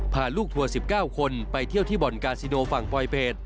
พาลูกทัวร์๑๙คนไปเที่ยวที่บ่อนกาซิโนฝั่งปลอยเป็ด